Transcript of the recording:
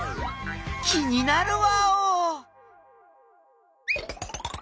気になるワオ！